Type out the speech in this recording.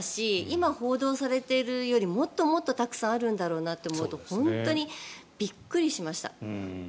今、報道されているよりもっともっとたくさんあるんだろうなと思うと本当にびっくりしました。